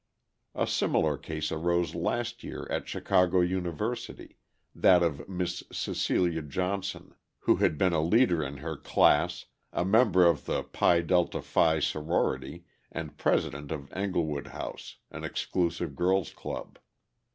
A similar case arose last year at Chicago University, that of Miss Cecelia Johnson, who had been a leader in her class, a member of the Pi Delta Phi Sorority and president of Englewood House, an exclusive girls' club.